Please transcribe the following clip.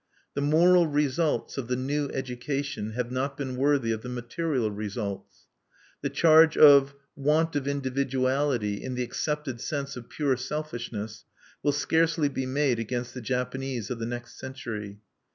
The moral results of the new education have not been worthy of the material results. The charge of want of "individuality," in the accepted sense of pure selfishness, will scarcely be made against the Japanese of the next century.